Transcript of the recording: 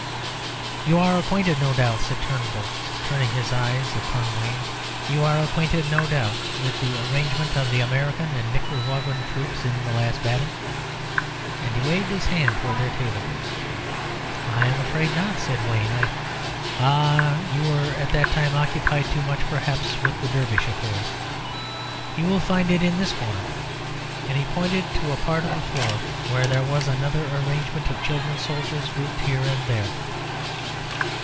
"You are acquainted, no doubt," said Turnbull, turning his big eyes upon Wayne "you are acquainted, no doubt, with the arrangement of the American and Nicaraguan troops in the last battle;" and he waved his hand towards the table. "I am afraid not," said Wayne. "I " "Ah! you were at that time occupied too much, perhaps, with the Dervish affair. You will find it in this corner." And he pointed to a part of the floor where there was another arrangement of children's soldiers grouped here and there.